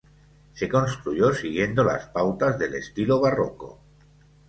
Se construyó siguiendo las pautas del estilo barroco.